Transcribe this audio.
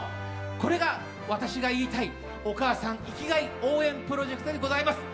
これが私が言いたいお母さん生きがい応援プロジェクトでございます。